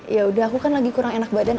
ya udah aku kan lagi kurang enak badan